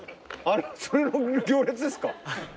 あれそれの行列ですか？